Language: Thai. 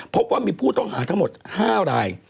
พบว่ามีผู้ต้องหาทั้งหมด๕ราย